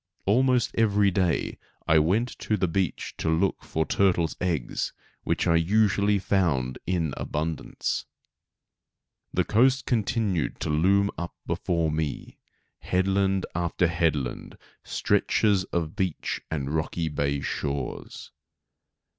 Almost every day I went to the beach to look for turtles' eggs, which I usually found in abundance. The coast continued to loom up before me, head land after head land, stretches of beach and rocky bay shores.